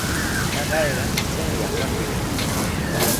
Taqayqa chunyaq wasimi.